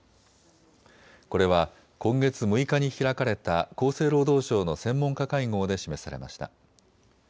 これは今月６日に開かれた厚生労働省の専門家会合で示されました。